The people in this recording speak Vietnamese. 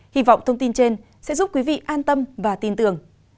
hy vọng thông tin trên sẽ giúp quý vị an tâm và tin tưởng